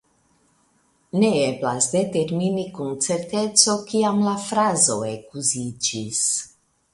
Ne eblas determini kun certeco kiam la frazo ekuziĝis.